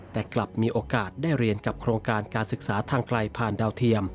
แต่กลับมีโอกาสได้เรียนกับโครงการการศึกษาทางไกลผ่านดาวเทียม